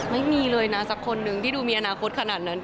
ไม่มีเลยนะสักคนนึงที่ดูมีอนาคตขนาดนั้น